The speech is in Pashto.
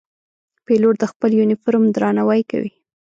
پیلوټ د خپل یونیفورم درناوی کوي.